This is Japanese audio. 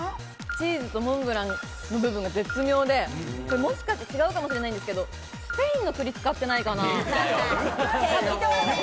チーズとモンブラン、絶妙で、違うかもしれないんですけれど、スペインの栗を使ってないかな？